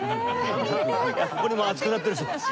ここにも熱くなってる人。